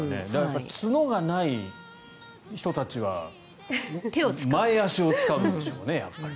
角がない人たちは前足を使うんでしょうね。